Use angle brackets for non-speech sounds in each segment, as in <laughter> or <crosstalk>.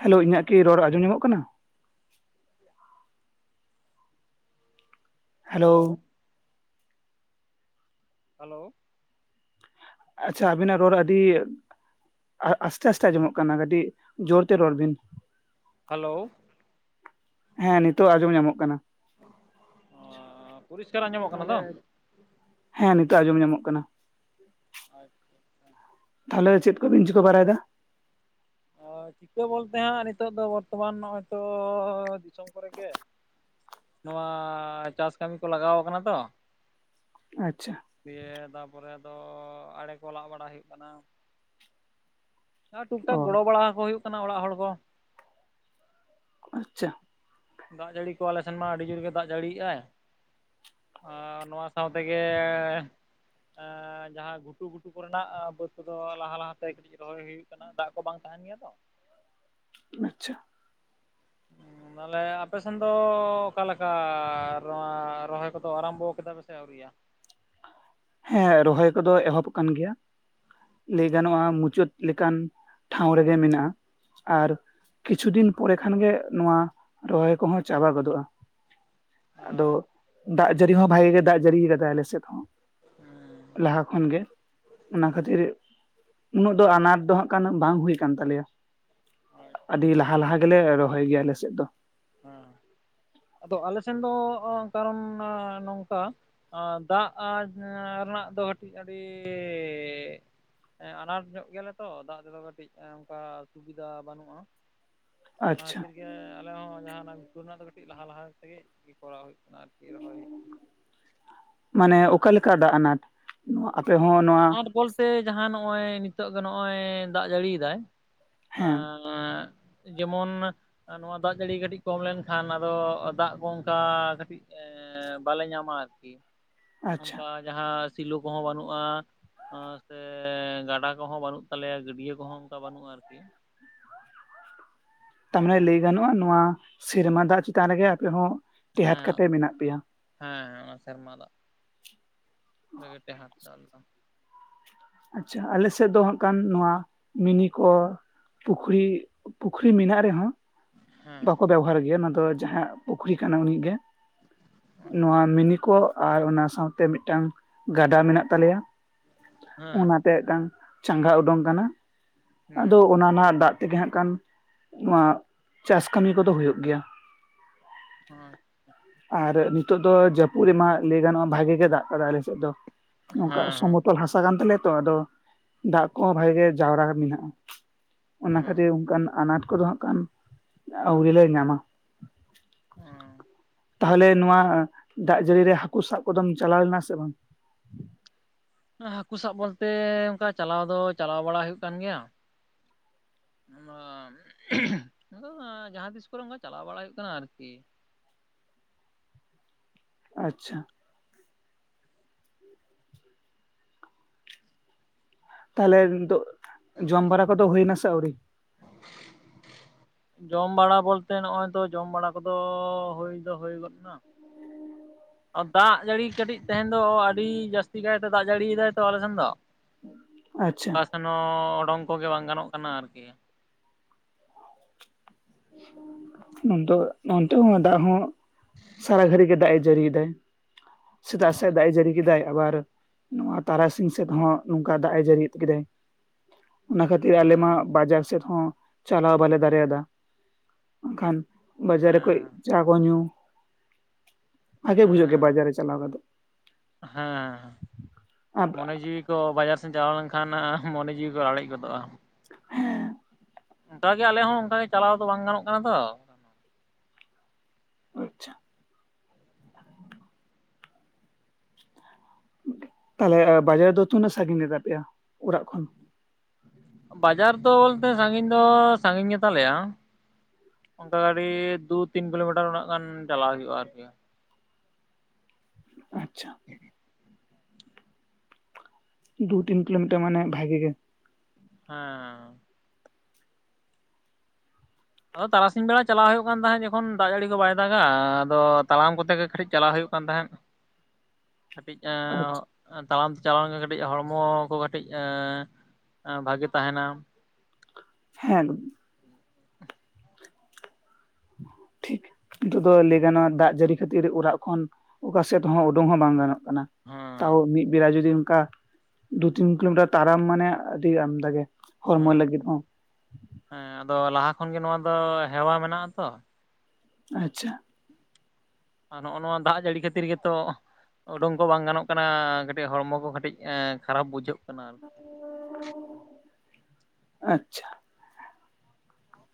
Hello ᱤᱧᱟᱜ ᱠᱤ ᱨᱚᱲ ᱟᱸᱡᱚᱢ ᱧᱟᱢᱚᱜ ᱠᱟᱱᱟ? ᱦᱮᱞᱳ? ᱦᱮᱞᱳ। ᱟᱪᱪᱷᱟ ᱟᱵᱤᱱᱟᱜ ᱨᱚᱲ ᱟᱹᱰᱤ ᱟ ᱟᱥᱛᱮ ᱟᱥᱛᱮ ᱟᱸᱡᱚᱢᱚᱜ ᱠᱟᱱᱟ ᱠᱟᱹᱴᱤᱡ ᱡᱳᱨᱛᱮ ᱨᱚᱲ ᱵᱤᱱ᱾ ᱦᱮᱞᱳ᱾ ᱦᱮᱸ, ᱱᱤᱛᱚᱜ ᱟᱸᱡᱚᱢ ᱧᱟᱢᱚᱜ ᱠᱟᱱᱟ᱾ ᱚᱻ ᱯᱚᱨᱤᱥᱠᱟᱨ ᱟᱸᱡᱚᱢᱚᱜ ᱠᱟᱱᱟ ᱛᱟᱦᱚᱞᱮ ᱛᱚ? ᱦᱮᱸ ᱱᱤᱛᱚᱜ ᱟᱸᱡᱚᱢ ᱧᱟᱢᱚᱜ ᱠᱟᱱᱟ। <unintelligible> ᱛᱟᱦᱚᱞᱮ ᱪᱮᱫ ᱠᱚ ᱵᱤᱱ ᱪᱤᱠᱟᱹ ᱵᱟᱲᱟᱭᱫᱟ ᱚ ᱪᱤᱠᱟᱹ ᱵᱚᱞᱛᱮ ᱦᱟᱸᱜ ᱱᱤᱛᱚᱜ ᱫᱚ ᱵᱚᱨᱛᱚᱢᱟᱱ ᱱᱚᱜᱼᱚᱭ ᱛᱚ ᱫᱤᱥᱚᱢ ᱠᱚᱨᱮ ᱜᱮ ᱱᱚᱣᱟ ᱪᱟᱥ ᱠᱟᱹᱢᱤ ᱠᱚ ᱞᱟᱜᱟᱣ ᱟᱠᱟᱱᱟ ᱛᱚᱼᱼ ᱟᱪᱪᱷᱟ ᱫᱤᱭᱮ ᱛᱟᱨᱯᱚᱨᱮ ᱟᱫᱚ ᱟᱲᱮ ᱠᱚ ᱞᱟᱜ ᱵᱟᱲᱟ ᱦᱩᱭᱩᱜ ᱠᱟᱱᱟ ᱴᱩᱠ ᱴᱟᱠ ᱚ ᱜᱚᱲᱚ ᱵᱟᱲᱟ ᱦᱩᱭᱩᱜ ᱠᱟᱱᱟ ᱚᱲᱟᱜ ᱦᱚᱲ ᱠᱚᱼᱼ ᱟᱪᱪᱷᱟ ᱫᱟᱜ ᱡᱟᱹᱲᱤ ᱠᱚ ᱟᱞᱮ ᱥᱮᱱ ᱢᱟ ᱟᱹᱰᱤ ᱡᱳᱨ ᱜᱮ ᱫᱟᱜ ᱡᱟᱹᱲᱤ ᱮᱜ ᱟᱭ ᱟᱨ ᱱᱚᱣᱟ ᱥᱟᱶ ᱛᱮᱜᱮᱭᱼᱼ ᱮᱸ ᱡᱟᱦᱟᱸ ᱜᱷᱩᱴᱩ ᱜᱷᱩᱴᱩ ᱠᱚ ᱨᱮᱱᱟᱜ ᱵᱟᱹᱫᱽ ᱠᱚᱫᱚ ᱞᱟᱦᱟ ᱞᱟᱦᱟ ᱛᱮ ᱠᱟᱹᱴᱤᱡ ᱨᱚᱦᱚᱭ ᱦᱩᱭᱩᱜ ᱠᱟᱱᱟ ᱩᱱᱟᱹᱜ ᱫᱟᱜ ᱠᱚ ᱵᱟᱝ ᱛᱟᱦᱮᱱ ᱜᱮᱭᱟ ᱛᱚ ᱟᱪᱪᱷᱟ <inaudible> ᱛᱟᱦᱚᱞᱮ ᱟᱯᱮ ᱥᱮᱱ ᱫᱚ ᱚᱠᱟ ᱞᱮᱠᱟ ᱱᱚᱣᱟ ᱨᱚᱦᱚᱭ ᱠᱚᱫᱚ ᱟᱨᱟᱢᱵᱚ ᱠᱮᱫᱟ ᱯᱮ? ᱥᱮ ᱟᱣᱨᱤᱭᱟ ᱦᱮᱸ ᱨᱚᱦᱚᱭ ᱠᱚᱫᱚ ᱮᱦᱚᱵ ᱠᱟᱱ ᱜᱮᱭᱟ ᱞᱟᱹᱭ ᱜᱟᱱᱚᱜᱼᱟ ᱢᱩᱪᱟᱹᱫ ᱞᱮᱠᱟᱱ ᱴᱷᱟᱶ ᱨᱮᱜᱮ ᱢᱮᱱᱟᱜᱼᱟ ᱟᱨ ᱠᱤᱪᱷᱩ ᱫᱤᱱ ᱯᱚᱨᱮ ᱠᱷᱟᱱ ᱜᱮ ᱱᱚᱣᱟ ᱨᱚᱦᱚᱭ ᱠᱚᱦᱚᱸ ᱪᱟᱵᱟ ᱜᱚᱫᱚᱜᱼᱟ ᱟᱫᱚ ᱟᱪᱪᱷᱟ ᱫᱟᱜ ᱡᱟᱹᱲᱤ ᱦᱚᱸ ᱵᱷᱟᱜᱮ ᱜᱮ ᱫᱟᱜ ᱡᱟᱹᱲᱤ ᱠᱟᱫᱟᱭ ᱟᱞᱮ ᱥᱮᱫ ᱦᱚᱸ ᱦᱮᱸ ᱞᱟᱦᱟ ᱠᱷᱚᱱ ᱜᱮ ᱚᱱᱟ ᱠᱷᱟᱛᱤᱨᱼᱼ ᱩᱱᱟᱹᱜ ᱫᱚ ᱟᱱᱟᱴ ᱫᱚ ᱦᱟᱸᱜ ᱠᱷᱚᱱ ᱵᱟᱝ ᱦᱩᱭ ᱠᱟᱱᱟ ᱛᱟᱞᱮᱭᱟ ᱟᱪᱪᱷᱟ ᱟᱹᱰᱤ ᱞᱟᱦᱟ ᱞᱟᱦᱟ ᱜᱮᱞᱮ ᱨᱚᱦᱚᱭ ᱜᱮᱭᱟ ᱟᱞᱮ ᱥᱮᱫ ᱫᱚᱼᱼ ᱦᱮᱸ ᱟᱫᱚ ᱟᱞᱮ ᱥᱮᱱ ᱫᱚ ᱠᱟᱨᱚᱱ ᱱᱚᱝᱠᱟᱼᱼ ᱟᱨ ᱫᱟᱜ ᱨᱮᱱᱟᱜ ᱫᱚ ᱠᱟᱹᱴᱤᱡ ᱟᱹᱰᱤᱭᱼᱼ ᱟᱱᱟᱴ ᱧᱚᱜ ᱜᱮᱭᱟ ᱞᱮ ᱛᱚ ᱫᱟᱜ ᱛᱮᱫᱚ ᱠᱟᱹᱴᱤᱡ ᱚᱱᱠᱟ ᱥᱩᱵᱤᱫᱷᱟ ᱵᱟᱹᱱᱩᱜᱼᱟ ᱚᱱᱟ ᱟᱪᱪᱷᱟ ᱠᱷᱟᱹᱛᱤᱨ ᱜᱮ ᱟᱞᱮ ᱦᱚᱸ ᱡᱟᱦᱟᱸ ᱚᱱᱟ ᱜᱷᱩᱴᱩ ᱨᱮᱱᱟᱜ ᱫᱚ ᱠᱟᱹᱴᱤᱡ ᱞᱟᱦᱟ ᱞᱟᱦᱟ ᱛᱮᱜᱮ ᱠᱚᱨᱟᱣ ᱦᱩᱭᱩᱜ ᱠᱟᱱᱟ ᱟᱨᱠᱤ ᱨᱚᱦᱚᱭ ᱢᱟᱱᱮ ᱚᱠᱟ ᱞᱮᱠᱟ ᱫᱟᱜ ᱟᱱᱟᱴᱼᱼ ᱱᱚᱣᱟ ᱟᱯᱮ ᱦᱚᱸᱼᱼ ᱟᱱᱟᱴ ᱵᱚᱞᱛᱮ ᱡᱟᱦᱟᱸ ᱱᱚᱜᱼᱚᱭ ᱱᱤᱛᱚᱜ ᱫᱚ ᱱᱚᱜᱼᱚᱭ ᱫᱟᱜ ᱡᱟᱹᱲᱤᱭᱫᱟᱭ ᱦᱮᱸ ᱮᱸᱼᱼ <unintelligible> ᱡᱮᱢᱚᱱ ᱱᱚᱣᱟ ᱫᱟᱜ ᱡᱟᱹᱲᱤ ᱠᱟᱹᱴᱤᱡ ᱠᱚᱢ ᱞᱮᱱ ᱠᱷᱟᱱ ᱟᱫᱚ ᱫᱟᱜ ᱠᱚ ᱚᱱᱠᱟ ᱠᱟᱹᱴᱤᱡᱼᱼ ᱵᱟᱞᱮ ᱧᱟᱢᱟ ᱟᱨᱠᱤ ᱟᱪᱪᱷᱟ ᱚᱱᱠᱟ ᱡᱟᱦᱟᱸ ᱥᱤᱞᱳ ᱠᱚᱦᱚᱸ ᱵᱟᱹᱱᱩᱜᱼᱟ ᱟᱨ ᱥᱮ ᱜᱟᱰᱟ ᱠᱚᱦᱚᱸ ᱵᱟᱹᱱᱩᱜ ᱛᱟᱞᱮᱭᱟ ᱜᱟᱹᱰᱭᱟᱹ ᱠᱚᱦᱚᱸ ᱚᱱᱠᱟ ᱵᱟᱹᱱᱩᱜᱼᱟ ᱟᱨᱠᱤ ᱛᱟᱨ ᱢᱟᱱᱮ ᱞᱟᱹᱭ ᱜᱟᱱᱚᱜᱼᱟ ᱱᱚᱣᱟ ᱥᱮᱨᱢᱟ ᱫᱟᱜ ᱪᱮᱛᱟᱱ ᱨᱮᱜᱮ ᱟᱯᱮ ᱦᱚᱸ ᱴᱮᱦᱟᱴ ᱠᱟᱛᱮᱫ ᱢᱮᱱᱟᱜ ᱯᱮᱭᱟ ᱦᱮᱸ ᱦᱮᱸ ᱚᱱᱟ ᱥᱮᱨᱢᱟ ᱫᱟᱜ <unintelligible> ᱟᱪᱪᱷᱟ ᱟᱞᱮ ᱥᱮᱫ ᱫᱚ ᱦᱟᱸᱜ ᱠᱟᱱ ᱱᱚᱣᱟ ᱢᱤᱱᱤ ᱠᱚᱼᱼ ᱯᱩᱠᱷᱨᱤ ᱯᱩᱠᱷᱨᱤ ᱢᱮᱱᱟᱜ ᱨᱮ ᱦᱚᱸᱼᱼ ᱦᱮᱸ ᱵᱟᱠᱚ ᱵᱮᱵᱚᱦᱟᱨ ᱜᱮᱭᱟ ᱱᱚᱣᱟ ᱫᱚ ᱡᱟᱦᱟᱸᱭᱟᱜ ᱯᱩᱠᱷᱨᱤ ᱠᱟᱱᱟ ᱩᱱᱤ ᱜᱮ ᱱᱚᱶᱟ ᱢᱤᱱᱤ ᱠᱚ ᱟᱨ ᱚᱱᱟ ᱥᱟᱶ ᱛᱮ ᱢᱤᱫᱴᱟᱝ ᱜᱟᱰᱟ ᱢᱮᱱᱟᱜ ᱛᱟᱞᱮᱭᱟ ᱦᱮᱸ ᱚᱱᱟ ᱛᱮ ᱢᱤᱫᱴᱟᱝᱼᱼ ᱪᱟᱸᱜᱟ ᱩᱰᱳᱝ ᱠᱟᱱᱟ ᱟᱫᱚ ᱦᱩᱸ ᱚᱱᱟ ᱨᱮᱱᱟᱜ ᱫᱟᱜ ᱛᱮᱜᱮ ᱦᱟᱸᱜ ᱠᱷᱟᱱ ᱱᱚᱣᱟ ᱪᱟᱥ ᱠᱟᱹᱢᱤ ᱠᱚᱫᱚ ᱦᱩᱭᱩᱜ ᱜᱮᱭᱟ ᱦᱚᱸᱜᱼᱚᱭ᱾ ᱟᱨ ᱱᱤᱛᱚᱜ ᱫᱚ ᱡᱟᱹᱯᱩᱫ ᱨᱮᱢᱟ ᱞᱟᱹᱭ ᱜᱟᱱᱚᱜᱼᱟ ᱵᱷᱟᱜᱮ ᱜᱮ ᱫᱟᱜ ᱠᱟᱫᱟ ᱟᱞᱮᱥᱮᱫ ᱫᱚ᱾ ᱱᱚᱝᱠᱟ ᱦᱮᱸ ᱥᱚᱢᱚᱛᱚᱞ ᱦᱟᱥᱟ ᱠᱟᱱ ᱛᱟᱞᱮᱭᱟ ᱛᱚ, ᱟᱫᱚ ᱫᱟᱜ ᱠᱚᱦᱚᱸ ᱵᱷᱟᱜᱤ ᱜᱮ ᱡᱟᱣᱨᱟ ᱢᱮᱱᱟᱜᱼᱟ᱾ ᱚᱱᱟ ᱦᱮᱸ ᱠᱷᱟᱹᱛᱤᱨ ᱚᱝᱠᱟᱱ ᱟᱱᱟᱴ ᱠᱚᱫᱚ ᱦᱟᱸᱜ ᱠᱷᱟᱱ ᱟᱣᱨᱤ ᱞᱮ ᱧᱟᱢᱟ᱾ ᱚᱸᱻ᱾ ᱛᱟᱦᱞᱮ ᱱᱚᱶᱟ ᱫᱟᱜ ᱡᱟᱹᱲᱤ ᱨᱮ ᱦᱟᱠᱩ ᱥᱟᱵ ᱠᱚᱫᱚᱢ ᱪᱟᱞᱟᱣ ᱞᱮᱱᱟ, ᱥᱮ ᱵᱟᱝ? ᱦᱟᱹᱠᱩ ᱥᱟᱵ ᱵᱚᱞᱛᱮ ᱚᱱᱠᱟ ᱪᱟᱞᱟᱣ ᱫᱚ ᱪᱟᱞᱟᱣ ᱵᱟᱲᱟ ᱦᱩᱭᱩᱜ ᱠᱟᱱ ᱜᱮᱭᱟ᱾ ᱚᱱᱟ, ᱟᱫᱚ ᱡᱟᱦᱟᱸ ᱛᱤᱥ ᱠᱚᱨᱮ ᱚᱱᱠᱟ ᱪᱟᱞᱟᱣ ᱵᱟᱲᱟ ᱦᱩᱭᱩᱜ ᱠᱟᱱᱟ, ᱟᱨᱠᱤ᱾ ᱟᱪᱪᱷᱟ᱾ ᱛᱟᱦᱚᱞᱮ ᱱᱤᱛᱚᱜ, ᱡᱚᱢ ᱵᱟᱲᱟ ᱠᱚᱫᱚ ᱦᱩᱭ ᱱᱟ, ᱥᱮ ᱟᱹᱣᱨᱤ? <inaudible> ᱡᱚᱢ ᱵᱟᱲᱟ ᱵᱚᱞᱛᱮ ᱱᱚᱜᱼᱚᱭ ᱛᱚ ᱡᱚᱢ ᱵᱟᱲᱟ ᱠᱚᱫᱚ ᱦᱩᱭ ᱫᱚ ᱦᱩᱭ ᱜᱚᱫ ᱱᱟ᱾ ᱫᱟᱜ ᱡᱟᱹᱲᱤ ᱠᱟᱹᱴᱤᱡ ᱛᱮᱦᱮᱱ ᱫᱚ ᱟᱹᱰᱤ ᱡᱟᱹᱥᱛᱤ ᱠᱟᱭᱛᱮ ᱫᱟᱜ ᱡᱟᱹᱲᱤᱭᱮᱫᱟᱭ ᱛᱚ ᱟᱞᱮ ᱥᱮᱱ ᱫᱚ᱾ ᱟᱪᱪᱷᱟ᱾ ᱮᱱ ᱦᱚᱻ, ᱚᱸᱰᱚᱝ ᱠᱚᱜᱮ ᱵᱟᱝ ᱜᱟᱱᱚᱜ ᱠᱟᱱᱟ, ᱟᱨᱠᱤ᱾ ᱟᱫᱚ, ᱱᱚᱱᱛᱮ ᱦᱚᱸ ᱫᱟᱜ ᱦᱚᱸ ᱥᱟᱨᱟ ᱜᱷᱟᱹᱲᱤᱡ ᱜᱮ ᱫᱟᱜ ᱮ ᱡᱟᱹᱲᱤᱭ ᱮᱫᱟᱭ᱾ ᱥᱮᱛᱟᱜ ᱥᱮ ᱦᱮᱸ ᱫᱟᱜ ᱮ ᱡᱟᱹᱲᱤ ᱠᱮᱫᱟᱭ᱾ ᱟᱵᱟᱨ ᱱᱚᱣᱟ ᱛᱟᱨᱟᱥᱤᱧ ᱥᱮᱫ ᱦᱚᱸ ᱱᱚᱝᱠᱟ ᱫᱟᱜ ᱮ ᱡᱟᱹᱲᱤ ᱠᱮᱫᱼᱟᱭ᱾ ᱚᱱᱟ ᱠᱷᱟᱹᱛᱤᱨ ᱟᱞᱮ ᱢᱟ ᱵᱟᱡᱟᱨ ᱥᱮᱫ ᱦᱚᱸ ᱪᱟᱞᱟᱣ ᱵᱟᱞᱮ ᱫᱟᱲᱮᱭᱟᱫᱟ᱾ ᱵᱟᱠᱷᱟᱱ, ᱵᱟᱡᱟᱨ ᱨᱮᱠᱚᱡ ᱦᱮᱸ ᱪᱟ ᱠᱚ ᱧᱩ᱾ ᱵᱷᱟᱜᱮ ᱵᱩᱡᱷᱟᱹᱜ ᱜᱮᱭᱟ ᱵᱟᱡᱟᱨ ᱦᱮᱸ ᱨᱮ ᱪᱟᱞᱟᱣ ᱠᱟᱛᱮ ᱦᱮᱸ, ᱢᱚᱱᱮ ᱡᱤᱣᱤ ᱛᱚ ᱵᱟᱡᱟᱨ ᱥᱮᱱ ᱪᱟᱞᱟᱣ ᱞᱮᱱᱠᱷᱟᱱ ᱦᱟᱸᱜ ᱢᱚᱱᱮ ᱡᱤᱣᱤ ᱠᱚ ᱞᱟᱲᱮᱡ ᱜᱚᱫᱚᱜᱼᱟ᱾ ᱦᱮᱸ᱾ ᱚᱱᱠᱟ ᱜᱮ ᱟᱞᱮ ᱦᱚᱸ ᱚᱱᱠᱟ ᱜᱮ ᱪᱟᱞᱟᱣ ᱫᱚ ᱵᱟᱝ ᱜᱟᱱᱚᱜ ᱠᱟᱱᱟ ᱛᱚ᱾ ᱟᱪᱪᱷᱟ᱾ ᱛᱟᱦᱞᱮ ᱵᱟᱡᱟᱨ ᱫᱚ ᱛᱤᱱᱟᱹᱜ ᱥᱟᱺᱜᱤᱧ ᱨᱮ ᱛᱟᱯᱮᱭᱟ ᱚᱲᱟᱜ ᱠᱷᱚᱱ? ᱵᱟᱡᱟᱨ ᱫᱚ ᱵᱚᱞᱛᱮ ᱥᱟᱺᱜᱤᱧ ᱫᱚ ᱥᱟᱺᱜᱤᱧ ᱜᱮ ᱛᱟᱞᱮᱭᱟ᱾ ᱚᱝᱠᱟ ᱠᱟᱴᱤᱫ ᱫᱩ ᱛᱤᱱ ᱠᱤᱞᱳᱢᱤᱴᱟᱨ ᱚᱱᱟᱜ ᱜᱟᱱ ᱪᱟᱞᱟᱣ ᱦᱩᱭᱩᱜᱼᱟ ᱟᱨᱠᱤ᱾ ᱟᱪᱪᱷᱟ᱾ ᱫᱩ ᱛᱤᱱ ᱠᱤᱞᱳᱢᱤᱴᱟᱨ ᱢᱟᱱᱮ ᱵᱷᱟᱜᱤ ᱜᱮ᱾ ᱦᱮᱸᱻ᱾ ᱟᱫᱚ ᱛᱟᱨᱟᱥᱤᱧ ᱵᱮᱲᱟ ᱪᱟᱞᱟᱜ ᱦᱩᱭᱩᱜ ᱠᱟᱱ ᱛᱟᱦᱮᱸᱫ ᱡᱚᱠᱷᱚᱱ ᱫᱟᱜ ᱡᱟᱹᱲᱤ ᱠᱚ ᱵᱟᱭ ᱫᱟᱜᱼᱟ᱾ ᱟᱫᱚ ᱛᱟᱲᱟᱢ ᱠᱚᱛᱮ ᱜᱮ ᱠᱟᱹᱴᱤᱡ ᱪᱟᱞᱟᱜ ᱦᱩᱭᱩᱜ ᱠᱟᱱ ᱛᱟᱦᱮᱸᱫ᱾ ᱠᱟᱹᱯᱤᱡ ᱟᱪᱪᱷᱟ ᱮᱸᱻ ᱛᱟᱲᱟᱢ ᱛᱮ ᱪᱟᱞᱟᱣ ᱫᱚ ᱠᱟᱹᱴᱤᱡ ᱦᱚᱲᱢᱚ ᱠᱚ ᱠᱟᱹᱴᱤᱡ ᱮᱸ ᱵᱷᱟᱜᱤ ᱛᱟᱦᱮᱱᱟ᱾ ᱦᱮᱸ᱾ ᱴᱷᱤᱠ <inaudible> ᱱᱤᱛᱚᱜ ᱫᱚ ᱞᱟᱹᱭ ᱜᱟᱱᱚᱜᱼᱟ ᱫᱟᱜ ᱡᱟᱹᱲᱤ ᱠᱷᱟᱹᱛᱤᱨ ᱚᱲᱟᱜ ᱠᱷᱚᱱ ᱚᱠᱟᱥᱮᱫ ᱦᱚᱸ ᱩᱸᱰᱩᱝ ᱦᱚᱸ ᱵᱟᱝ ᱜᱟᱱᱚᱜ ᱠᱟᱱᱟ᱾ ᱛᱟᱣ ᱦᱮᱸ ᱢᱤᱫ ᱵᱮᱲᱟ ᱡᱩᱫᱤ ᱚᱱᱠᱟ ᱫᱩ ᱛᱤᱱ ᱠᱤᱞᱳᱢᱤᱴᱟᱨ ᱛᱟᱲᱟᱢ ᱢᱟᱱᱮ ᱟᱹᱰᱤ ᱟᱢᱫᱟ ᱜᱮ᱾ ᱦᱚᱲᱢᱚ ᱦᱮᱸ ᱞᱟᱹᱜᱤᱫ ᱦᱚᱸ ᱦᱮᱸ, ᱟᱫᱚ ᱞᱟᱦᱟ ᱠᱷᱚᱱ ᱜᱮ ᱱᱚᱣᱟ ᱫᱚ ᱦᱮᱣᱟ ᱢᱮᱱᱟᱜᱼᱟ ᱛᱚ᱾ ᱟᱪᱪᱷᱟ᱾ ᱟᱨ, ᱱᱚᱼᱚᱜ ᱱᱚᱣᱟ ᱫᱟᱜ ᱡᱟᱹᱲᱤ ᱠᱷᱟᱹᱛᱤᱨ ᱜᱮᱛᱚ ᱳᱸᱰᱳᱝ ᱠᱚ ᱵᱟᱝ ᱜᱟᱱᱚᱜ ᱠᱟᱱᱟ, ᱠᱟᱹᱴᱤᱡ ᱦᱚᱲᱢᱚ ᱠᱚ ᱠᱟᱹᱴᱤᱡ ᱠᱷᱟᱨᱟᱯ ᱵᱩᱡᱷᱟᱹᱜ ᱠᱟᱱᱟ᱾ ᱟᱨ ᱟᱪᱪᱷᱟ᱾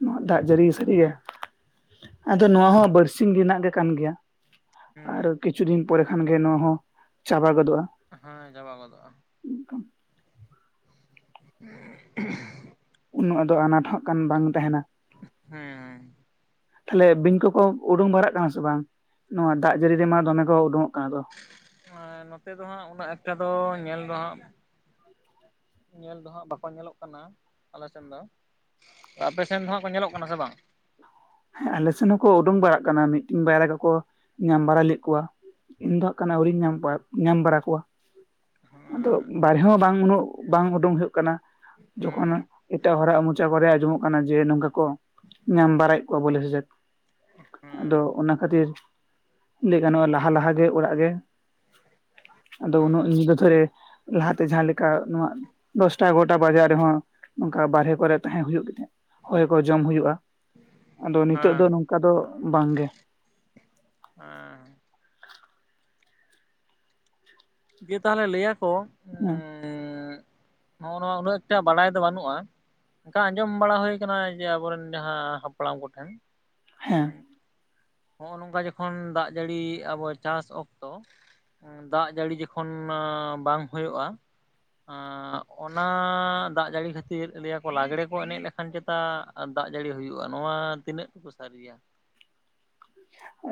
ᱱᱚᱣᱟ ᱫᱟᱜ ᱡᱟᱹᱲᱤ ᱥᱟᱹᱨᱤ ᱜᱮ, ᱟᱫᱚ ᱱᱚᱣᱟ ᱦᱚᱸ ᱵᱟᱨᱥᱤᱧ ᱨᱮᱱᱟᱜ ᱜᱮ ᱠᱟᱱ ᱜᱮᱭᱟ᱾ ᱟᱨ ᱦᱮᱸ ᱠᱤᱪᱷᱩ ᱫᱤᱱ ᱯᱚᱨᱮ ᱠᱷᱟᱱᱜᱮ ᱱᱚᱣᱟ ᱦᱚᱸ ᱪᱟᱵᱟ ᱜᱚᱫᱚᱜ-ᱟ ᱾ ᱦᱮᱸ ᱪᱟᱵᱟ ᱜᱚᱫᱚᱜᱼᱟ ᱾ ᱦᱮᱸ <unintelligible> ᱚᱱᱟ ᱫᱚ ᱟᱱᱟᱴ ᱦᱟᱜ ᱠᱟᱱ ᱵᱟᱝ ᱛᱟᱸᱦᱮᱱᱟ ᱾ ᱦᱮᱸ ᱦᱮᱸ ᱾ ᱛᱟᱦᱞᱮ ᱵᱤᱧ ᱠᱚᱠᱚ ᱩᱰᱩᱝ ᱵᱟᱲᱟᱜ ᱠᱟᱱᱟ ᱥᱮ ᱵᱟᱝ? ᱱᱚᱣᱟ ᱫᱟᱜ ᱡᱟᱹᱲᱤ ᱨᱮᱢᱟ ᱾ ᱫᱚᱢᱮ ᱠᱚ ᱩᱰᱩᱝᱚᱜ ᱠᱟᱱ ᱫᱚ ᱦᱮᱸ ᱱᱚᱛᱮ ᱫᱚ ᱦᱟᱸᱜ ᱩᱱᱟᱹᱜ ᱮᱠᱴᱟ ᱫᱚ ᱧᱮᱞ ᱫᱚ ᱦᱟᱸᱜ ᱧᱮᱞ ᱫᱚᱦᱟᱸᱜ ᱵᱟᱠᱚ ᱧᱮᱞᱚᱜ ᱠᱟᱱᱟ ᱟᱞᱮ ᱥᱮᱱ ᱫᱚ ᱾ ᱟᱯᱮ ᱥᱮᱱ ᱫᱚᱦᱟᱸᱜ ᱠᱚ ᱧᱮᱞᱚᱜ ᱠᱟᱱᱟ ᱥᱮ ᱵᱟᱝ? ᱦᱮᱸ ᱟᱞᱮ ᱥᱮᱱ ᱦᱚᱸᱠᱚ ᱩᱰᱩᱠ ᱵᱟᱲᱟᱜ ᱠᱟᱱᱟ ᱢᱤᱫᱴᱤᱱ ᱵᱟᱨᱭᱟ ᱠᱚᱠᱚ ᱧᱟᱢ ᱵᱟᱲᱟ ᱞᱮᱫ ᱠᱚᱣᱟ ᱾ ᱤᱧ ᱫᱚ ᱦᱟᱸᱜ ᱠᱷᱟᱱ ᱟᱹᱣᱨᱤᱧ ᱧᱟᱢ ᱠᱚᱣᱟ, ᱧᱟᱢ ᱵᱟᱲᱟ ᱠᱚᱣᱟ ᱾ ᱟᱫᱚ ᱵᱟᱨᱦᱮ ᱦᱚᱸ ᱵᱟᱝ ᱩᱱᱟᱹᱜ, ᱵᱟᱝ ᱩᱰᱩᱠ ᱦᱩᱭᱩᱜ ᱠᱟᱱᱟ ᱡᱚᱠᱷᱚᱱ ᱦᱩᱸ ᱮᱴᱟᱜ ᱦᱚᱲᱟᱜ ᱢᱚᱪᱟ ᱠᱚᱨᱮ ᱟᱸᱡᱚᱢᱚᱜ ᱠᱟᱱᱟ ᱡᱮ, ᱱᱚᱝᱠᱟ ᱠᱚ ᱧᱟᱢ ᱵᱟᱲᱟᱭᱮᱫ ᱠᱚᱣᱟ ᱵᱚᱞᱮ ᱥᱮ ᱪᱮᱫ ᱾ ᱦᱩᱸ ᱟᱫᱚ ᱚᱱᱟ ᱠᱷᱟᱹᱛᱤᱨ ᱞᱟᱹᱭ ᱜᱟᱱᱚᱜ-ᱟ, ᱞᱟᱦᱟ ᱞᱟᱦᱟᱜᱮ ᱚᱲᱟᱜ ᱜᱮ ᱟᱫᱚ ᱩᱱᱟᱹᱜ ᱧᱤᱫᱟᱹ ᱫᱷᱚᱨᱮ ᱞᱟᱦᱟᱛᱮ ᱡᱟᱦᱟᱸ ᱞᱮᱠᱟ ᱱᱚᱣᱟ ᱫᱚᱥᱴᱟ ᱮᱜᱟᱨᱚᱴᱟ ᱵᱟᱡᱟᱜ ᱨᱮᱦᱚᱸ ᱱᱚᱝᱠᱟ ᱵᱟᱨᱦᱮ ᱠᱚᱨᱮ ᱛᱟᱦᱮᱸ ᱦᱩᱭᱩᱜ ᱜᱮ ᱛᱟᱸᱦᱮᱱᱟ, ᱦᱚᱭ ᱠᱚ ᱡᱚᱢ ᱦᱩᱭᱩᱜ-ᱟ ᱾ ᱟᱫᱚ ᱱᱤᱛᱚᱜ ᱫᱚ ᱦᱮᱸ ᱱᱚᱝᱠᱟ ᱫᱚ ᱵᱟᱝᱜᱮ ᱾ ᱦᱮᱸ ᱫᱤᱭᱮ ᱛᱟᱦᱚᱞᱮ ᱞᱟᱹᱭᱟᱠᱚ, ᱦᱮᱸ ᱮᱸᱜᱻ ᱱᱚᱜ-ᱚ ᱱᱚᱣᱟ ᱩᱱᱟᱹᱜ ᱮᱠᱴᱟ ᱵᱟᱲᱟᱭ ᱫᱚ ᱵᱟᱹᱱᱩᱜ-ᱟ ᱾ ᱚᱱᱠᱟ ᱟᱸᱡᱚᱢ ᱵᱟᱲᱟ ᱦᱩᱭ ᱠᱟᱱᱟ ᱡᱮ ᱟᱵᱚ ᱨᱮᱱ ᱡᱟᱦᱟᱸ ᱦᱟᱯᱲᱟᱢ ᱠᱚᱴᱷᱮᱱ ᱾ ᱦᱮᱸ ᱾ ᱱᱚᱜᱼᱚ ᱱᱚᱝᱠᱟ ᱡᱚᱠᱷᱚᱱ ᱫᱟᱜ ᱡᱟᱹᱲᱤ ᱟᱵᱚ ᱪᱟᱥ ᱚᱠᱛᱚ ᱟ ᱫᱟᱜ ᱡᱟᱹᱲᱤ ᱡᱚᱠᱷᱚᱱ ᱢᱟ ᱵᱟᱝ ᱦᱩᱭᱩᱜ-ᱟ ᱾ ᱟᱸ ᱚᱱᱟ ᱫᱟᱜ ᱡᱟᱹᱲᱤ ᱠᱷᱟᱹᱛᱤᱨ ᱞᱟᱹᱭᱟᱠᱚ ᱞᱟᱜᱽᱲᱮ ᱠᱚ ᱮᱱᱮᱡ ᱞᱮᱠᱷᱟᱱ ᱪᱮᱛᱟ ᱟᱨ ᱫᱟᱜ ᱡᱟᱹᱲᱤ ᱦᱩᱭᱩᱜ-ᱟ, ᱱᱚᱣᱟ ᱛᱤᱱᱟᱹᱜ ᱛᱩᱠᱩ ᱥᱟᱹᱨᱤᱭᱟ?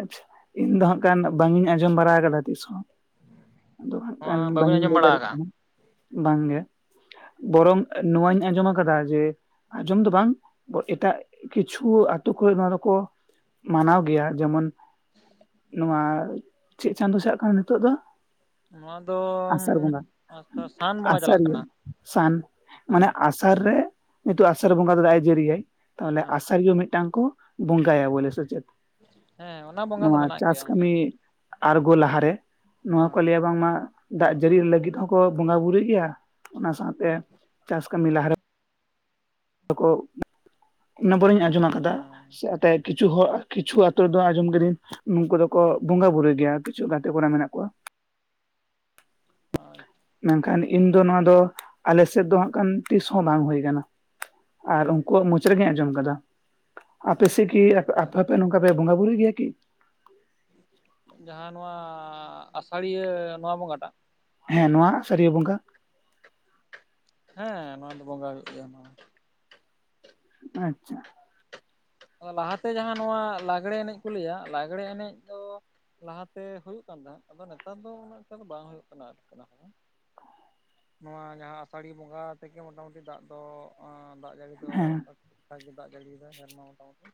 ᱟᱪᱪᱷᱟ ᱤᱧ ᱫᱚ ᱦᱟᱸᱜ ᱠᱷᱟᱱ ᱵᱟᱝ ᱤᱧ ᱟᱸᱡᱚᱢ ᱵᱟᱲᱟ ᱟᱠᱟᱫᱟ ᱛᱤᱥ ᱦᱚᱸ ᱾ ᱟᱫᱚ ᱦᱟᱸᱜ ᱱᱚᱣᱟ ᱠᱷᱟᱱ ᱵᱟᱹᱵᱤᱱ ᱵᱟᱝᱤᱧ ᱟᱸᱡᱚᱢ ᱞᱟᱹᱭ ᱵᱟᱲᱟ ᱫᱟᱲᱮᱭᱟᱜ ᱟᱠᱟᱜᱼᱟ? ᱠᱟᱱᱟ, ᱵᱟᱝᱜᱮ ᱾ ᱵᱚᱨᱚᱝ ᱱᱚᱣᱟᱧ ᱟᱸᱡᱚᱢ ᱠᱟᱫᱟ ᱡᱮ ᱟᱸᱡᱚᱢ ᱫᱚ ᱵᱟᱝ ᱾ ᱮᱴᱟᱜ ᱠᱤᱪᱷᱩ ᱟᱛᱩ ᱠᱚᱨᱮ ᱱᱚᱣᱟ ᱫᱚᱠᱚ ᱢᱟᱱᱟᱣ ᱜᱮᱭᱟ ᱾ ᱡᱮᱢᱚᱱ <inaudible> ᱱᱚᱣᱟ ᱪᱮᱫ ᱪᱟᱸᱫᱳ ᱪᱟᱜ ᱠᱟᱱᱟ ᱱᱤᱛᱚᱜ ᱫᱚ? ᱱᱚᱣᱟ ᱫᱚ ᱟᱥᱟᱲ ᱵᱚᱸᱜᱟ, ᱥᱟᱱ ᱵᱚᱸᱜᱟ ᱪᱟᱞᱟᱜ ᱟᱥᱟᱲᱤᱭᱟᱹ ᱠᱟᱱᱟ ᱥᱟᱱ ᱢᱟᱱᱮ ᱦᱮᱸ ᱟᱥᱟᱲ ᱟᱥᱟᱲ ᱨᱮ, ᱱᱤᱛᱚᱜ ᱟᱥᱟᱲ ᱵᱚᱸᱜᱟ ᱫᱚ ᱫᱟᱜ ᱮ ᱡᱟᱹᱨᱤᱭᱟᱭ, ᱛᱟᱦᱚᱞᱮ ᱦᱮᱸ ᱟᱥᱟᱲᱤᱭᱟᱹ ᱢᱤᱫᱴᱟᱝ ᱠᱚ ᱟᱜ ᱵᱚᱸᱜᱟᱭᱟ ᱵᱚᱞᱮ ᱥᱮ ᱪᱮᱫ? ᱦᱮᱸ ᱾ ᱱᱚᱣᱟ ᱪᱟᱥ ᱠᱟᱹᱢᱤ ᱟᱬᱜᱚ ᱞᱟᱦᱟᱨᱮ, ᱱᱚᱣᱟ ᱠᱚ ᱦᱮᱸ ᱞᱟᱹᱭᱟ ᱵᱟᱝᱢᱟ ᱫᱟᱜ ᱡᱟᱹᱲᱤ ᱞᱟᱹᱜᱤᱫ ᱦᱚᱸᱠᱚ ᱵᱚᱸᱜᱟ ᱵᱩᱨᱩᱭ ᱜᱮᱭᱟ ᱾ ᱚᱱᱟ ᱥᱟᱶᱛᱮ ᱪᱟᱥ ᱠᱟᱹᱢᱤ ᱞᱟᱦᱟ ᱨᱮ ᱦᱚᱸᱠᱚ, ᱚᱱᱟ ᱯᱚᱨᱮᱧ ᱟᱸᱡᱚᱢ ᱟᱠᱟᱫᱟ ᱥᱮ ᱮᱛᱮ ᱠᱤᱪᱷᱩ ᱦᱚᱲ ᱠᱤᱪᱷᱩ ᱟᱛᱩ ᱨᱮᱫᱚ ᱟᱸᱡᱚᱢ ᱠᱟᱹᱫᱟᱹᱧ ᱱᱩᱠᱩ ᱫᱚᱠᱚ ᱵᱚᱸᱜᱟ ᱵᱩᱨᱩᱭ ᱜᱮᱭᱟ, ᱠᱤᱪᱷᱩ ᱜᱟᱛᱮ ᱠᱚᱲᱟ ᱢᱮᱱᱟᱜ ᱠᱚᱣᱟ ᱾ ᱚ <inaudible> ᱢᱮᱱᱠᱷᱟᱱ ᱤᱧ ᱫᱚ ᱱᱚᱣᱟ ᱫᱚ, ᱟᱞᱮ ᱥᱮᱫ ᱫᱚ ᱦᱟᱸᱜ ᱠᱷᱟᱱ ᱛᱤᱥ ᱦᱚᱸ ᱵᱟᱝ ᱦᱩᱭ ᱠᱟᱱᱟ ᱾ ᱟᱨ ᱠᱚᱣᱟᱜ ᱢᱚᱪᱟ ᱨᱮᱜᱤᱧ ᱟᱸᱡᱚᱢ ᱠᱟᱫᱟ ᱾ ᱟᱯᱮ ᱥᱮᱡ ᱠᱤ ᱦᱮᱸ ᱟᱯᱮ ᱯᱮ ᱱᱚᱝᱠᱟ ᱯᱮ ᱵᱚᱸᱜᱟ ᱵᱩᱨᱩᱭ ᱜᱮᱭᱟ ᱠᱤ? ᱡᱟᱦᱟᱸ ᱱᱚᱣᱟ ᱟᱥᱟᱲᱤᱭᱟᱹ ᱱᱚᱣᱟ ᱵᱚᱸᱜᱟᱴᱟᱜ? ᱦᱮᱸ ᱱᱚᱣᱟ ᱥᱟᱹᱨᱤᱭᱟᱹ ᱵᱚᱸᱜᱟ ᱦᱮᱸ ᱱᱚᱣᱟ ᱫᱚ ᱵᱚᱸᱜᱟ ᱦᱩᱭᱩᱜ ᱜᱮᱭᱟ ᱱᱚᱣᱟ ᱟᱪᱪᱷᱟ ᱾ ᱚ ᱞᱟᱦᱟᱛᱮ ᱡᱟᱦᱟᱸ ᱱᱚᱣᱟ ᱞᱟᱜᱽᱲᱮ ᱮᱱᱮᱡ ᱠᱚ ᱞᱟᱹᱭᱟ ᱞᱟᱜᱽᱲᱮ ᱮᱱᱮᱡ ᱫᱚ ᱞᱟᱦᱟᱛᱮ ᱦᱩᱭᱩᱜ ᱠᱟᱱ ᱛᱟᱦᱮᱸᱜ ᱟᱫᱚ ᱱᱮᱛᱟᱨ ᱫᱚ ᱩᱱᱟᱹᱜ ᱴᱟ ᱫᱚ ᱵᱟᱝ ᱦᱩᱭᱩᱜ ᱠᱟᱱᱟ ᱟᱨᱠᱤ ᱚᱱᱟ ᱠᱚᱫᱚ᱾ ᱱᱚᱣᱟ ᱡᱟᱦᱟᱸ ᱟᱥᱟᱲᱤᱭᱟᱹ ᱵᱚᱸᱜᱟ ᱛᱮᱜᱮ ᱢᱚᱴᱟᱢᱩᱴᱤ ᱫᱟᱜ ᱫᱚ ᱫᱟᱜ ᱡᱟᱹᱲᱤ ᱫᱚ ᱦᱮᱸ ᱚᱱᱠᱟ ᱜᱮ ᱫᱟᱜ ᱡᱟᱹᱲᱤᱭ ᱫᱟᱭ ᱥᱮᱨᱢᱟ ᱢᱚᱴᱟᱢᱩᱴᱤ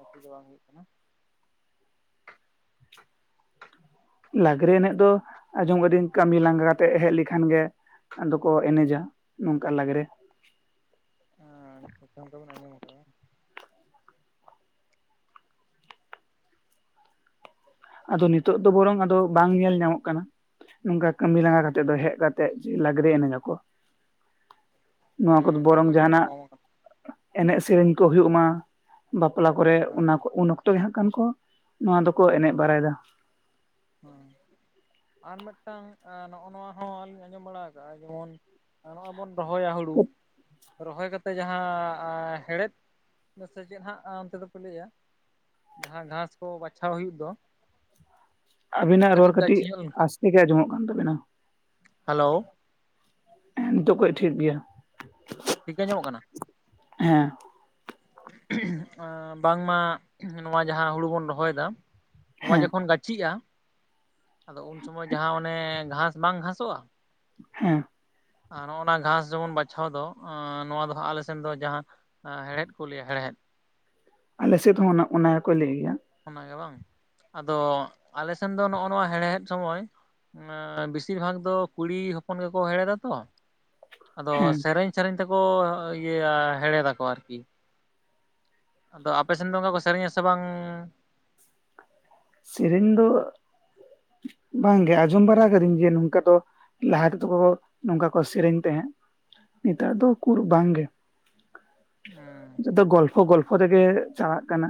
ᱚᱥᱩᱵᱷᱤᱫᱟ ᱵᱟᱝ ᱦᱩᱭᱩᱜ ᱠᱟᱱᱟ᱾ ᱞᱟᱜᱽᱲᱮ ᱮᱱᱮᱡ ᱫᱚ ᱟᱸᱡᱚᱢ ᱠᱟᱹᱫᱟᱹᱧ ᱠᱟᱹᱢᱤ ᱞᱟᱸᱜᱟ ᱠᱟᱛᱮ ᱦᱮᱡ ᱞᱮᱠᱷᱟᱱ ᱜᱮ ᱟᱫᱚ ᱠᱚ ᱮᱱᱮᱡᱟ ᱱᱚᱝᱠᱟ ᱞᱟᱜᱽᱲᱮ᱾ <inaudible> ᱵᱤᱱ ᱟᱸᱡᱚᱢ ᱟᱠᱟᱫᱟ ᱵᱟᱝ, ᱟᱫᱚ ᱱᱤᱛᱚᱜ ᱫᱚ ᱵᱚᱨᱚᱝ ᱟᱫᱚ ᱵᱟᱝ ᱧᱮᱞ ᱧᱟᱢᱚᱜ ᱠᱟᱱᱟ᱾ ᱱᱚᱝᱠᱟ ᱠᱟᱴᱤ ᱞᱟᱸᱜᱟ ᱠᱟᱛᱮᱜ ᱫᱚ ᱦᱮᱡ ᱠᱟᱛᱮᱜ ᱡᱮ ᱞᱟᱜᱽᱲᱮ ᱮᱱᱮᱡᱧ ᱟᱠᱚ ᱾ <unintelligible> ᱱᱚᱣᱟ ᱠᱚᱫᱚ ᱦᱮᱸ ᱱᱤᱛᱚᱜ ᱫᱚ ᱵᱚᱨᱚᱝ ᱟᱹᱰᱤ ᱡᱟᱦᱟᱸ ᱜᱟᱱ ᱱᱟᱜ ᱠᱚᱢ ᱟᱠᱟᱱᱟ ᱮᱱᱮᱡ ᱥᱮᱨᱮᱧ ᱠᱚ ᱦᱩᱭᱩᱜ ᱢᱟ, ᱵᱟᱯᱞᱟ ᱠᱚᱨᱮ ᱦᱮᱸ ᱚᱱᱟ ᱩᱱ ᱚᱠᱛᱚ ᱜᱮ ᱦᱟᱸᱜ ᱠᱷᱟᱱ ᱠᱚ ᱱᱚᱣᱟ ᱫᱚᱠᱚ ᱮᱱᱮᱡ ᱵᱟᱲᱟᱭᱮᱫᱟ᱾ ᱦᱮᱸ ᱟᱨ ᱢᱤᱫᱴᱟᱝ ᱱᱚᱜᱼᱚ ᱱᱚᱣᱟ ᱦᱚᱸᱞᱤᱤᱧ ᱟᱸᱡᱚᱢ ᱵᱟᱲᱟ ᱟᱠᱟᱟᱜᱼᱟ ᱡᱮᱢᱚᱱ ᱟᱨ ᱱᱚᱜᱼᱚᱭ ᱵᱚᱱ ᱨᱚᱦᱚᱭᱟ ᱦᱩᱲᱩ, ᱨᱚᱦᱚᱭ ᱠᱟᱛᱮᱮᱫ ᱡᱟᱦᱟᱸ ᱦᱮᱲᱦᱮᱫ ᱥᱮ ᱪᱮᱫ ᱦᱟᱸᱜ ᱚᱱᱛᱮ ᱫᱚᱯᱮ ᱞᱟᱹᱭᱟ ᱡᱟᱦᱟᱸ ᱜᱷᱟᱥ ᱠᱚ ᱵᱟᱪᱷᱟᱣ ᱦᱩᱭᱩᱜ ᱫᱚ ᱟᱵᱤ ᱱᱟᱜ ᱨᱚᱲ ᱠᱟᱹᱴᱤᱡ ᱜᱟᱹᱪᱷᱤ ᱧᱚᱜ ᱞᱮᱱᱠᱷᱟᱱ ᱟᱥᱛᱮ ᱜᱮ ᱟᱸᱡᱚᱢᱚᱜ ᱠᱟᱱ ᱛᱟᱵᱤᱱᱟ᱾ ᱦᱮᱞᱳ ᱦᱮ ᱱᱤᱛᱚᱜ ᱠᱷᱚᱡ ᱴᱷᱤᱠ ᱜᱮᱭᱟ᱾ ᱴᱷᱤᱠᱟᱹ ᱧᱟᱢᱚᱜ ᱠᱟᱱᱟ? ᱦᱮᱸ ᱵᱟᱝᱢᱟ ᱱᱚᱣᱟ ᱡᱟᱦᱟᱸ ᱦᱩᱲᱩ ᱵᱚᱱ ᱨᱚᱦᱚᱭᱫᱟ ᱱᱚᱣᱟ ᱦᱮᱸ ᱡᱚᱠᱷᱚᱱ ᱜᱟᱹᱪᱷᱤᱼᱟ ᱟᱫᱚ ᱩᱱ ᱥᱚᱢᱚᱭ ᱡᱟᱦᱟᱸ ᱚᱱᱮ ᱜᱷᱟᱥ ᱵᱟᱝ ᱜᱷᱟᱥᱚᱜᱼᱟ ᱦᱮᱸ ᱟᱨ ᱱᱚᱜᱼᱱᱟ ᱜᱷᱟᱸᱥ ᱡᱮᱢᱚᱱ ᱵᱟᱪᱷᱟᱣ ᱫᱚ ᱱᱚᱣᱟ ᱫᱚ ᱦᱟᱸᱜ ᱟᱞᱮ ᱥᱮᱱ ᱫᱚ ᱡᱟᱦᱟᱸ ᱦᱮᱲᱦᱮᱫ ᱠᱚ ᱞᱟᱹᱭᱟ ᱦᱮᱲᱦᱮᱫ ᱾ ᱟᱞᱮᱥᱮᱫ ᱦᱚᱸ ᱚᱱᱟᱠᱚ ᱞᱟᱹᱭ ᱜᱮᱭᱟ᱾ ᱚᱱᱟᱜᱮ ᱵᱟᱝ ᱟᱫᱚ ᱟᱞᱮ ᱥᱮᱱ ᱫᱚ ᱱᱚᱜᱼᱚᱭ ᱱᱚᱣᱟ ᱦᱮᱲᱦᱮᱫ ᱥᱚᱢᱚᱭ ᱵᱮᱥᱤᱨ ᱵᱷᱟᱜᱽ ᱫᱚ ᱠᱩᱲᱤ ᱦᱚᱯᱚᱱ ᱜᱮᱠᱚ ᱦᱮᱲᱦᱮᱫ-ᱟ ᱛᱚ, ᱟᱫᱚ ᱦᱮᱸ ᱥᱮᱨᱮᱧ ᱥᱮᱨᱮᱧ ᱛᱮᱠᱚ ᱤᱭᱟᱹ ᱦᱮᱲᱦᱮᱫ ᱟᱠᱚ ᱟᱨᱠᱤ, ᱟᱫᱚ ᱟᱯᱮ ᱥᱮᱱ ᱫᱚ ᱚᱱᱠᱟ ᱠᱚ ᱥᱮᱨᱮᱧᱟ ᱥᱮ ᱵᱟᱝ? ᱥᱮᱨᱮᱧ ᱫᱚ ᱵᱟᱝᱜᱮ ᱟᱸᱡᱚᱢ ᱵᱟᱲᱟ ᱠᱟᱹᱫᱟᱹᱧ ᱡᱮ ᱱᱚᱝᱠᱟ ᱫᱚ ᱞᱟᱦᱟ ᱛᱮᱫᱚ ᱠᱚ ᱱᱚᱝᱠᱟ ᱠᱚ ᱥᱮᱨᱮᱧ ᱛᱟᱦᱮᱸᱫ ᱱᱮᱛᱟᱨ ᱫᱚ ᱠᱚᱠᱩᱨ ᱵᱟᱝ ᱜᱮ᱾ ᱦᱮᱸ ᱡᱚᱛᱚ ᱜᱚᱞᱯᱷᱚ ᱜᱚᱞᱯᱷᱚ ᱛᱮᱜᱮ ᱪᱟᱞᱟᱜ ᱠᱟᱱᱟ᱾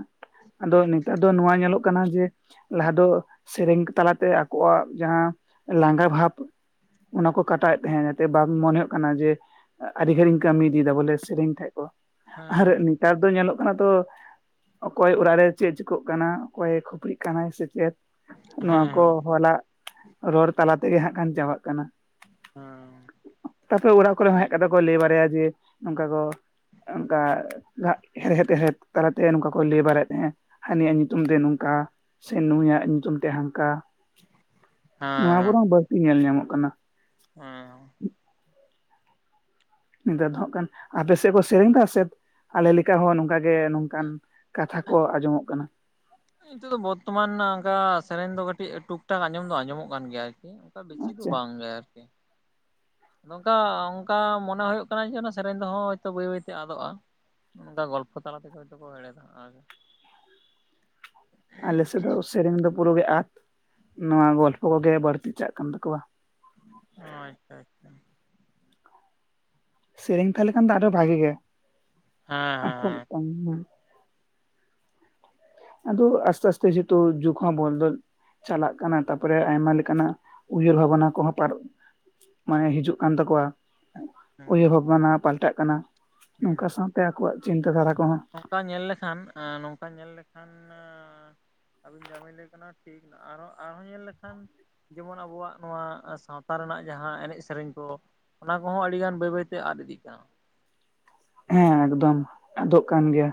ᱟᱫᱚ ᱱᱮᱛᱟᱨ ᱫᱚ ᱱᱚᱣᱟ ᱧᱮᱞᱚᱜ ᱠᱟᱱᱟ ᱡᱮ ᱞᱟᱦᱟ ᱫᱚ ᱥᱮᱨᱮᱧ ᱛᱟᱞᱟᱛᱮ ᱟᱠᱚᱣᱟᱜ ᱡᱟᱦᱟᱸ ᱞᱟᱸᱜᱟ ᱵᱷᱟᱵᱽ ᱚᱱᱟ ᱠᱚ ᱠᱟᱴᱟᱣᱮᱫ ᱛᱟᱦᱮᱸᱫ, ᱵᱟᱝ ᱢᱚᱱᱮᱚᱜ ᱠᱟᱱᱟ ᱡᱮ ᱟᱹᱰᱤ ᱜᱷᱟᱹᱲ ᱤᱧ ᱠᱟᱹᱢᱤ ᱤᱫᱤᱭᱮᱫᱟ ᱵᱚᱞᱮ ᱥᱮᱨᱮᱧ ᱛᱟᱦᱮᱡ ᱠᱚ ᱟᱨ ᱦᱮᱸ ᱱᱮᱛᱟᱨ ᱫᱚ ᱧᱮᱞᱚᱜ ᱠᱟᱱᱟ ᱛᱚ ᱚᱠᱚᱭ ᱚᱲᱟᱜ ᱨᱮ ᱪᱮᱫ ᱪᱤᱠᱚᱜ ᱠᱟᱱᱟ ᱚᱠᱚᱭᱮ ᱠᱷᱟᱹᱯᱲᱤᱜ ᱠᱟᱱᱟᱭ ᱥᱮᱪᱮᱫ ᱱᱚᱣᱟ ᱠᱚ ᱦᱮᱸ ᱦᱚᱞᱟᱟᱜ ᱨᱚᱲ ᱛᱟᱞᱟ ᱛᱮᱜᱮ ᱦᱟᱸᱜ ᱠᱷᱟᱱ ᱟᱱ ᱪᱟᱵᱟᱜ ᱠᱟᱱᱟ᱾ <inaudible> ᱛᱟᱯᱚᱨᱮ ᱚᱲᱟᱜ ᱠᱚᱨᱮ ᱦᱚᱸ ᱦᱮᱡ ᱠᱟᱛᱮ ᱠᱚ ᱞᱟᱹᱭ ᱵᱟᱲᱟᱭᱟ ᱡᱮ ᱱᱚᱝᱠᱟ ᱠᱚ ᱚᱱᱠᱟᱟᱜ ᱦᱮᱲᱦᱮᱫ ᱦᱮᱲᱦᱮᱫ ᱛᱟᱞᱟᱛᱮ ᱱᱚᱝᱠᱟ ᱠᱚ <inaudible> ᱛᱟᱦᱮᱸᱫ ᱦᱟᱹᱱᱤᱭᱟᱜ ᱧᱩᱛᱩᱢ ᱛᱮ ᱱᱚᱝᱠᱟ ᱥᱮ ᱱᱩᱭᱟᱜ ᱧᱩᱛᱩᱢ ᱛᱮ ᱦᱟᱝᱠᱟ, ᱱᱚᱣᱟ ᱠᱚᱨᱮ ᱦᱮᱸ ᱦᱚᱸ ᱵᱟᱲᱛᱤ ᱧᱮᱞ ᱧᱟᱢᱚᱜ ᱠᱟᱱᱟ᱾ ᱦᱮᱸ᱾ ᱱᱮᱛᱟᱨ ᱫᱚ ᱦᱟᱸᱜ ᱠᱷᱟᱱ ᱟᱯᱮᱥᱮᱫ ᱠᱚ ᱥᱮᱨᱮᱧ ᱫᱟ ᱥᱮᱫ ᱟᱞᱮ ᱞᱮᱠᱟ ᱦᱚᱸ ᱱᱚᱝᱠᱟᱜ ᱜᱮ ᱠᱟᱱ ᱠᱟᱛᱷᱟ ᱠᱚ ᱟᱸᱡᱚᱢᱚᱜ ᱠᱟᱱᱟ᱾ ᱱᱤᱛᱚᱜ ᱫᱚ ᱵᱚᱨᱛᱚᱢᱟᱱ ᱚᱝᱠᱟ ᱥᱮᱨᱮᱧ ᱫᱚ ᱠᱟᱹᱴᱤᱡ ᱴᱩᱠ-ᱴᱟᱠ ᱟᱸᱡᱚᱢ ᱫᱚ ᱟᱸᱡᱚᱢᱚᱜ ᱠᱟᱱ ᱜᱮᱭᱟ ᱟᱨᱠᱤ᱾ ᱚᱝᱠᱟ ᱵᱮᱥᱤ ᱫᱚ ᱟᱪᱪᱷᱟ ᱵᱟᱝ ᱜᱮ ᱟᱨᱠᱤ᱾ ᱫᱚ ᱚᱝᱠᱟ ᱚᱝᱠᱟ ᱢᱚᱱᱮ ᱦᱩᱭᱩᱜ ᱠᱟᱱᱟ ᱡᱮ ᱥᱮᱨᱮᱧ ᱫᱚᱦᱚᱭᱛᱚ ᱵᱟᱹᱭ ᱵᱟᱹᱭᱛᱮ ᱟᱫᱚᱜᱼᱟ᱾ ᱚᱝᱠᱟ ᱜᱚᱞᱯᱷᱚ ᱛᱟᱞᱟ ᱛᱮ ᱦᱭᱛᱳ ᱠᱚ ᱦᱮᱲᱮᱫᱟᱲᱮᱜᱼᱟ᱾ ᱟᱞᱮᱥᱮᱫ ᱫᱚ ᱥᱮᱨᱮᱧ ᱫᱚ ᱯᱩᱨᱩᱜᱮ ᱟᱫ ᱱᱚᱣᱟ ᱜᱚᱞᱯᱚ ᱠᱚᱜᱮ ᱵᱟᱹᱲᱛᱤ ᱪᱟᱜ ᱠᱟᱱ ᱛᱟᱠᱚᱣᱟ᱾ ᱚ ᱟᱪᱪᱷᱟ ᱟᱪᱪᱷᱟ᱾ ᱥᱮᱨᱮᱧ ᱛᱟᱦᱮ ᱞᱮᱱ ᱠᱷᱟᱱ ᱫᱚ ᱟᱹᱰᱤ ᱵᱷᱟᱜᱤ ᱜᱮ᱾ ᱦᱮᱸ ᱦᱮᱸ ᱦᱮᱸ᱾ ᱚᱱᱟ ᱟᱫᱚ ᱟᱥᱛᱮ ᱟᱥᱛᱮ ᱥᱮ ᱛᱚ ᱡᱩᱠᱷᱚᱢ ᱵᱚᱞᱫᱚᱞ ᱪᱟᱞᱟᱜ ᱠᱟᱱᱟ, ᱛᱟᱨᱯᱚᱨᱮ ᱟᱭᱢᱟ ᱞᱮᱠᱟᱱᱟᱜ ᱩᱭᱦᱟᱹᱨ ᱵᱷᱟᱵᱱᱟ ᱠᱚᱦᱚᱸ ᱯᱟᱨᱚ ᱢᱟᱱᱮ ᱦᱤᱡᱩᱜ ᱠᱟᱱ ᱛᱟᱠᱚᱣᱟ᱾ ᱦᱮᱸ ᱦᱮᱸ ᱩᱭᱦᱟᱹ ᱵᱷᱟᱵᱱᱟ ᱯᱟᱞᱴᱟᱜ ᱠᱟᱱᱟ ᱦᱩᱸ ᱱᱚᱝᱠᱟ ᱥᱟᱶᱛᱮ ᱟᱠᱚᱣᱟᱜ ᱪᱤᱱᱛᱟᱹ ᱫᱷᱟᱨᱟ ᱠᱚᱦᱚᱸ ᱱᱚᱝᱠᱟ ᱧᱮᱞ ᱞᱮᱠᱷᱟᱱ ᱟᱸ ᱱᱚᱝ ᱠᱟᱠᱟ ᱧᱮᱞ ᱞᱮᱠᱷᱟᱱ ᱟᱸ ᱟᱹᱵᱤᱱ ᱡᱟᱢᱤᱱ ᱞᱟᱹᱭ ᱠᱟᱱᱟ ᱴᱷᱤᱠ ᱟᱨᱦᱚᱸ ᱟᱨᱦᱚᱸ ᱧᱮᱞ ᱞᱮᱠᱷᱟᱱ ᱡᱮᱢᱚᱱ ᱟᱵᱚᱣᱟᱜ ᱱᱚᱣᱟ ᱥᱟᱶᱛᱟ ᱨᱮᱱᱟᱜ ᱡᱟᱦᱟᱸ ᱮᱱᱮᱡ ᱥᱮᱨᱮᱧ ᱠᱚ ᱚᱱᱟ ᱠᱚᱦᱚᱸ ᱟᱹᱰᱤ ᱜᱟᱱ ᱵᱟᱹᱭ ᱵᱟᱹᱭᱛᱮ ᱟᱫ ᱤᱫᱤᱜ ᱠᱟᱱᱟ᱾ ᱦᱮᱸ ᱮᱠᱫᱚᱢ ᱟᱫᱚᱜ ᱠᱟᱱ ᱜᱮᱭᱟ᱾